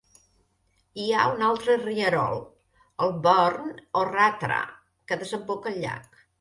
Hi ha un altre rierol, el "Burn o' Rattra", que desemboca al llac.